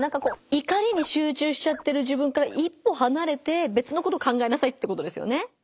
怒りに集中しちゃってる自分から一歩はなれて別のことを考えなさいってことですよね。